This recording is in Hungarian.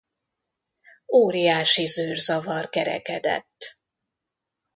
Óriási zűrzavar kerekedett.